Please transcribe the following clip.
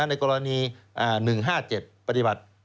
ในกรณี๑๕๗ปฏิบัติ